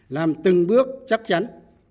làm từng bước chắc chắn